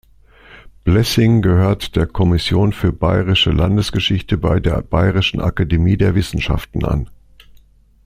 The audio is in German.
Blessing gehört der Kommission für bayerische Landesgeschichte bei der Bayerischen Akademie der Wissenschaften an.